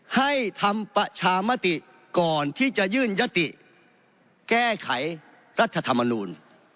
ให้ทำประชามติก่อนที่จะยื่นยติแก้ไขรัฐธรรมนูล